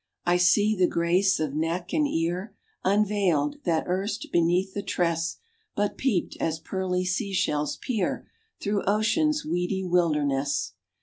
I see the grace of neck and ear Unveiled, that erst beneath the tress But peeped, as pearly sea shells peer Through ocean's weedy wilderness.